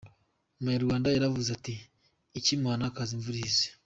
Umunyarwanda yaravuze ati “Ak’imuhana kaza imvura ihise”.